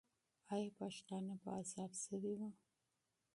آیا پښتانه په عذاب سوي وو؟